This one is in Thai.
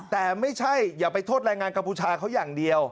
แต่ไม่ใช่อย่าไปโทษแรงงานกัมพูชาเขาอย่างเดียว